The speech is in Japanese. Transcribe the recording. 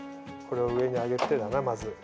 これを上に上げてだなまず。